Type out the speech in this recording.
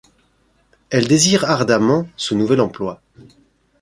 Elle désire ardemment ce nouvel emploi.